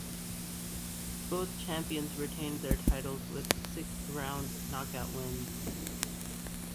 Both champions retained their titles with sixth-round knockout wins.